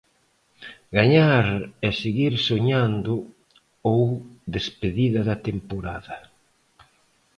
Gañar e seguir soñando ou despedida da temporada.